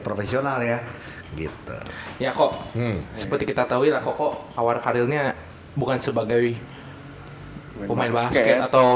profesional ya gitu yako seperti kita tahu permissions bukan sebagai pemain basket atau